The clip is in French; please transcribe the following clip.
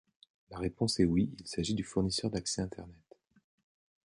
La réponse est oui, il s’agit du fournisseur d'accès internet.